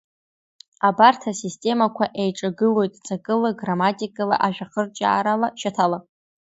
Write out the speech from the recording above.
Абарҭ асистемақәа еиҿагылоит ҵакыла, грамматикала, ажәахырҿиаарала, шьаҭала.